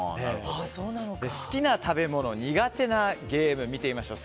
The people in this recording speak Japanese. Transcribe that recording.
好きな食べ物、苦手なゲーム見てみましょう。